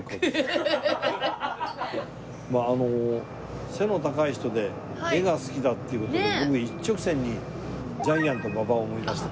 あの背の高い人で絵が好きだっていう事で僕一直線にジャイアント馬場を思い出した。